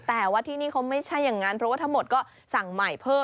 แต่ว่าที่นี่เขาไม่ใช่อย่างนั้นเพราะว่าทั้งหมดก็สั่งใหม่เพิ่ม